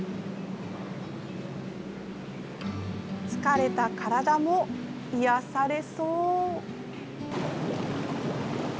疲れた体も癒やされそう！